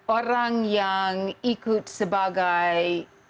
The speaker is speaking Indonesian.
orang yang ikut sebagai